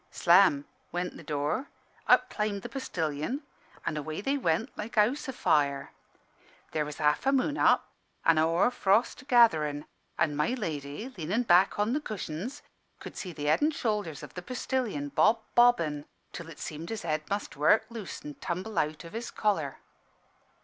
"Slam went the door, up climbed the postillion, an' away they went like a house afire. There was half a moon up an' a hoar frost gatherin', an' my lady, lean in' back on the cushions, could see the head and shoulders of the postillion bob bobbing, till it seemed his head must work loose and tumble out of his collar.